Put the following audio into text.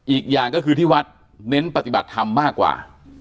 อีกอย่างก็คือที่วัดเน้นปฏิบัติธรรมมากกว่า